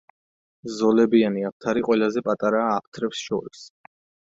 ზოლებიანი აფთარი ყველაზე პატარაა აფთრებს შორის.